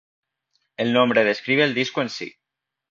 El nombre describe el disco en sí.